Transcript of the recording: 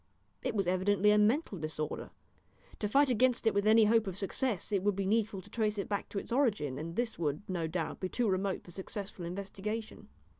It was evidently a mental disorder. To fight against it with any hope of success it would be needful to trace it back to its origin, and this would, no doubt, be too remote for successful investigation.